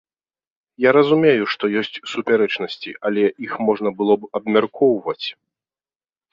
Я разумею, што ёсць супярэчнасці, але іх можна было б абмяркоўваць.